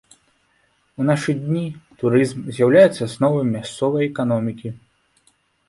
У нашы дні турызм з'яўляецца асновай мясцовай эканомікі.